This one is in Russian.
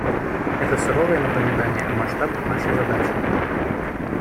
Это суровое напоминание о масштабах нашей задачи.